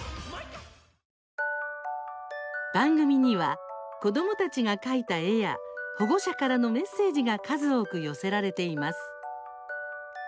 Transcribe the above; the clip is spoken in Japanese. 番組には子どもたちが描いた絵や保護者からのメッセージが数多く寄せられています。